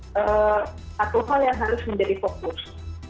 satu hal yang harus menjadi fokus